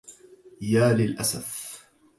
يا للأسف